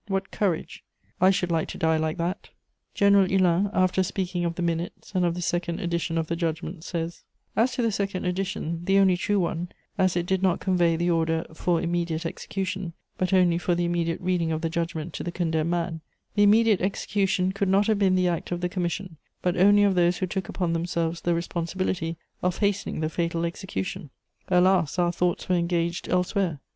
What courage! I should like to die like that!" General Hulin, after speaking of the "minutes" and of the "second edition" of the judgment, says: "As to the second edition, the only true one, as it did not convey the order for immediate execution, but only for the immediate reading of the judgment to the condemned man, the immediate execution could not have been the act of the commission, but only of those who took upon themselves the responsibility of hastening the fatal execution. "Alas, our thoughts were engaged elsewhere!